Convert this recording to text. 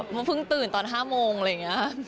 แบบมึงตื่นตอน๕โมงอะไรอย่างงี้ครับ